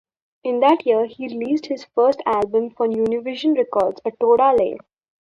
In that year, he released his first album for Univision Records, A Toda Ley.